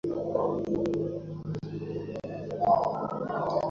তাই তোমরা নিজেদের জন্য একটি ধর্ম বেছে নাও যার তোমরা অনুসরণ করবে।